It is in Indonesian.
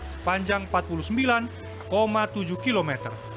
sepanjang empat puluh sembilan tujuh km